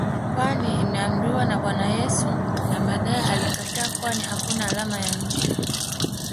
kwani imeamriwa na Bwana Yesu na baadae alikataa kwani hakina alama ya nje